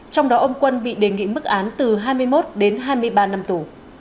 trong đó ông quân bị đề nghị mức án từ hai mươi một đến hai mươi ba năm tù